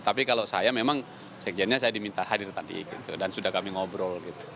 tapi kalau saya memang sekjennya saya diminta hadir tadi dan sudah kami ngobrol gitu